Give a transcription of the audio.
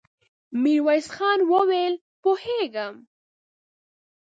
ميرويس خان وويل: پوهېږم.